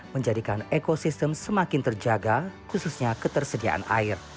menjadikan ekosistem semakin terjaga khususnya ketersediaan air